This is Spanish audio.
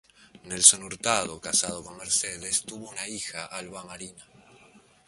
Nelson Hurtado, casado con Mercedes, tuvo una hija, Alba Marina.